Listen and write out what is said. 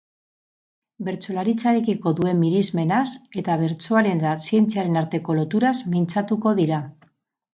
Bertsolaritzarekiko duen miresmenaz, eta bertsoaren eta zientziaren arteko loturaz mintzatuko dira.